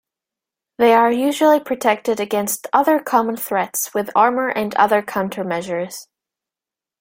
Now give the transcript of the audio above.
They are usually protected against other common threats with armor and other countermeasures.